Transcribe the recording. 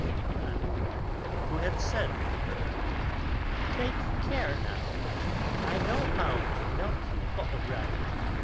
Verdurin, who had said to her, "Take care, now! I know how to melt you, all right.